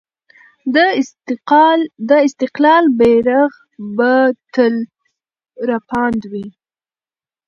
د استقلال بیرغ به تل رپاند وي.